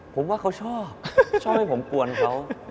ผมว่าเขาชอบชอบให้ผมกวนเขา